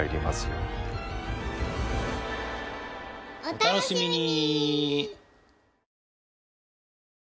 お楽しみに！